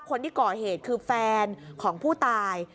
คนที่ก่อเหตุคือแฟนของผู้ตาย